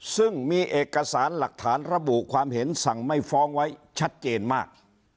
ซึ่งมีเอกสารหลักฐานระบุความเห็นสั่งไม่ฟ้องไว้ชัดเจนมาก